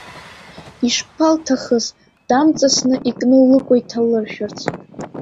Ишԥалҭахыз дамҵасны икны лыкәа иҭалыршәырц.